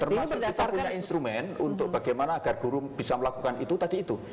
termasuk kita punya instrumen untuk bagaimana agar guru bisa melakukan itu tadi itu